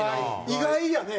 意外やね。